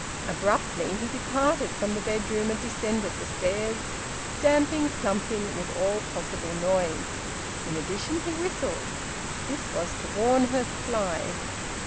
Abruptly he departed from the bedroom and descended the stairs, stamping, clumping, with all possible noise; in addition he whistled. This was to warn her to fly.